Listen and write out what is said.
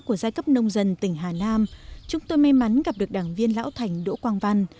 của giai cấp nông dân tỉnh hà nam chúng tôi may mắn gặp được đảng viên lão thành đỗ quang văn